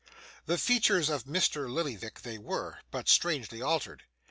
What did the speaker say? The features of Mr. Lillyvick they were, but strangely altered.